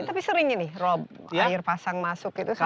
tapi sering ini rob air pasang masuk itu salah